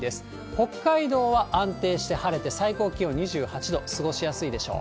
北海道は安定して晴れて、最高気温２８度、過ごしやすいでしょう。